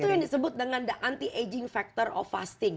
itu yang disebut dengan the anti aging factor of fasting